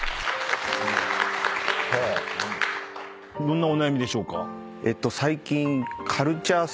どんなお悩みでしょうか？